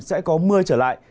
sẽ có mưa trở lại